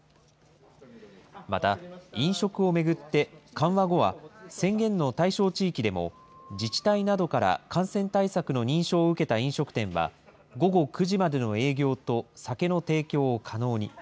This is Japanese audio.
また飲食を巡って緩和後は、宣言の対象地域でも自治体などから感染対策の認証を受けた飲食店は、午後９時までの営業と酒の提供を可能に。